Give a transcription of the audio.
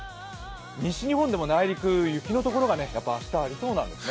西日本でも内陸雪のところが明日はありそうなんですね。